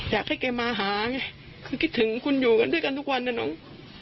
อยากให้แกมาหาไงคือคิดถึงคุณอยู่กันด้วยกันทุกวันนะน้อง